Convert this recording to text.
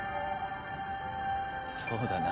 そうだな